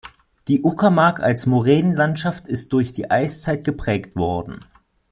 Die Uckermark als Moränenlandschaft ist durch die Eiszeit geprägt worden.